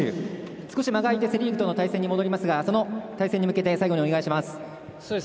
少し間が空いてセ・リーグとの対戦に戻りますがその対戦に向けて最後にお願いします。